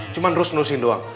cuma terus terusin doang